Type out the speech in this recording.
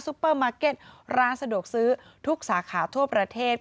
เปอร์มาร์เก็ตร้านสะดวกซื้อทุกสาขาทั่วประเทศ